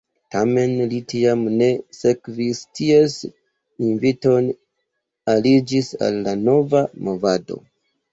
Tamen li tiam ne sekvis ties inviton aliĝi al la nova movado.